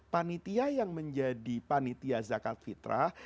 panitia yang menjadi panitia zakat fitrah